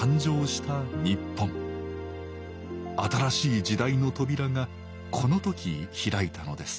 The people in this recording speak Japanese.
新しい時代の扉がこの時開いたのです